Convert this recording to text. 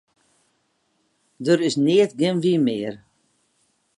Der is neat gjin wyn mear.